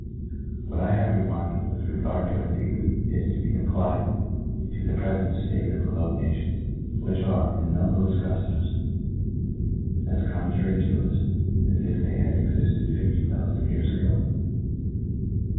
What I have ren^ked with regard to anti« quity is to be applied to the prefent ftate [of re mote nations, which are, in numberlefs cuftom^, as contrary to us ag. if they had exiftcd fifty thou . faixd years ^go.